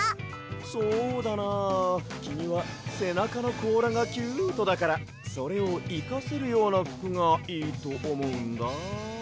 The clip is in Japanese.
そうだなきみはせなかのこうらがキュートだからそれをいかせるようなふくがいいとおもうんだ。